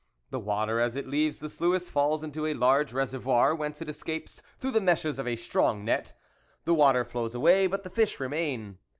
The water as it leaves the sluice falls into a large reservoir whence it escapes through the meshes of a strong net ; the water flows away, but the fish remain.